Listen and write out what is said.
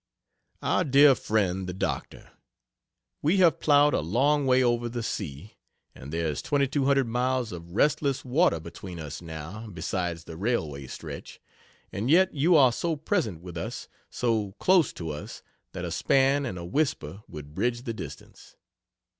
OUR DEAR FRIEND THE DOCTOR, We have plowed a long way over the sea, and there's twenty two hundred miles of restless water between us, now, besides the railway stretch. And yet you are so present with us, so close to us that a span and a whisper would bridge the distance.